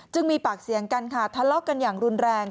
มีปากเสียงกันค่ะทะเลาะกันอย่างรุนแรง